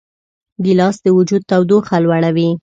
ګیلاس د وجود تودوخه لوړوي.